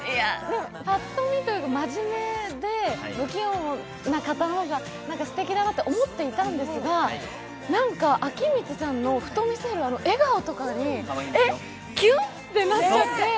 ぱっと見というか、真面目で不器用な方の方がすてきだなと思っていたんですが、彰充さんの、ふと見せる笑顔とかにえっ、キュンってなっちゃって。